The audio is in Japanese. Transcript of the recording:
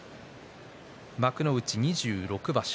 幕内２６場所。